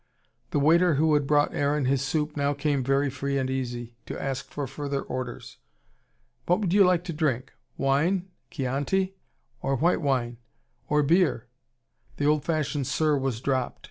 The waiter who had brought Aaron his soup now came very free and easy, to ask for further orders. "What would you like to drink? Wine? Chianti? Or white wine? Or beer?" The old fashioned "Sir" was dropped.